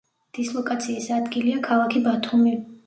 დისლოკაციის ადგილია ქალაქი ბათუმი.